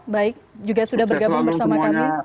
baik juga sudah bergabung bersama kami